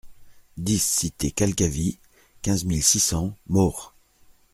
dix cité Calcavy, quinze mille six cents Maurs